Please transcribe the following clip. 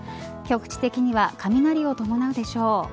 局地的には雷が伴うでしょう。